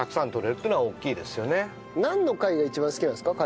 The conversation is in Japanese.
なんの貝が一番好きなんですか？